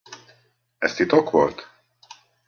Ez titok volt?